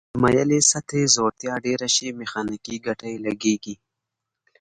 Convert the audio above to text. د مایلې سطحې ځوړتیا ډیره شي میخانیکي ګټه یې لږیږي.